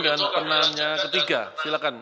dengan penanya ketiga silakan